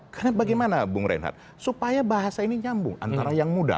karena bagaimana bung renhat supaya bahasa ini nyambung antara yang muda